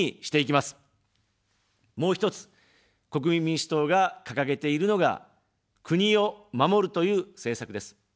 もう１つ、国民民主党が掲げているのが、国を守るという政策です。